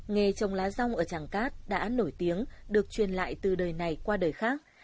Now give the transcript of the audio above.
nghề trồng lá rong ở tràng cát đã nổi tiếng được truyền lại từ đời này qua đời khác